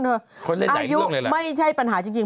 เขาเล่นหลายเรื่องเลยแหละอายุไม่ใช่ปัญหาจริง